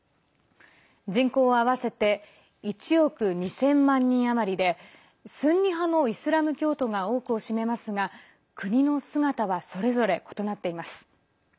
人口は合わせて１億２０００万人余りでスンニ派のイスラム教徒が多くを占めますが国の姿はそれぞれ異なっています。